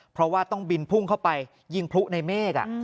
เพราะว่าต้องบินพุ่งเข้าไปยิงพลุในเมฆ